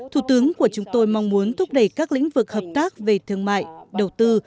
thủ tướng của chúng tôi mong muốn thúc đẩy các lĩnh vực hợp tác về thương mại đầu tư